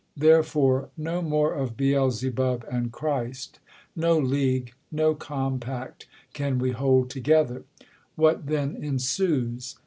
Therefore no more of Beelzebub and Christ ; No league, no compact can we hold together. What then ensues?